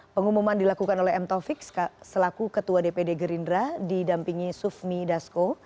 pengumuman dilakukan oleh m taufik selaku ketua dpd gerindra didampingi sufmi dasko